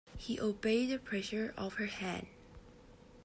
He obeyed the pressure of her hand.